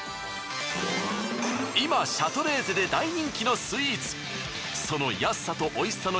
今シャトレーゼで大人気のスイーツ。